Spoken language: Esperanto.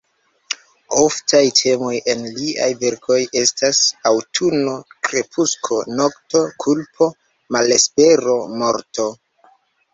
Oftaj temoj en liaj verkoj estas: aŭtuno, krepusko, nokto; kulpo, malespero, morto.